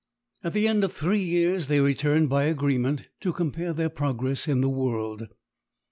At the end of three years they returned by agreement, to compare their progress in the world.